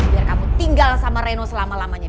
biar kamu tinggal sama reno selama lamanya